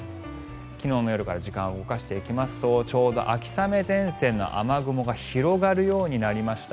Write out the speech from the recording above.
昨日の夜から時間を動かしていきますとちょうど秋雨前線の雨雲が広がるようになりました。